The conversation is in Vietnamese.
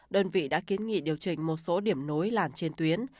đơn vị đã kiến nghị điều chỉnh một số điểm nối làn trên tuyến